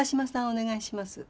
お願いします。